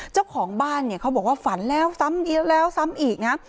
เจ้าของบ้านเนี่ยเขาบอกว่าฝันแล้วซ้ำอีกแล้วซ้ำอีกนะ